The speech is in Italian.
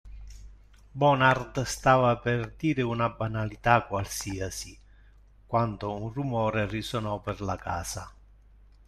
Bonard stava per dire una banalità qualsiasi, quando un rumore risonò per la casa.